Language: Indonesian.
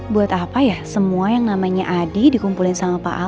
buat apa ya semua yang namanya adi dikumpulin sama pak amin